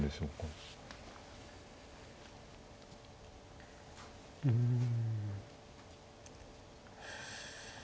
うん。